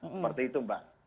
seperti itu mbak